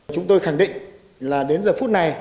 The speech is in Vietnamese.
chúng tôi khẳng định là đến giờ phút này